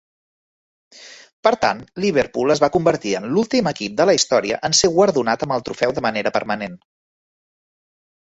Per tant, Liverpool es va convertir en l'últim equip de la història en ser guardonat amb el trofeu de manera permanent.